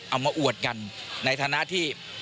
เอามาอวดกันในฐานะที่